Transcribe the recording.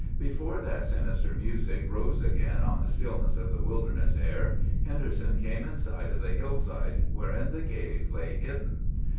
Before that sinister music rose again on the stillness of the wilderness air, Henderson came in sight of the hillside wherein the cave lay hidden.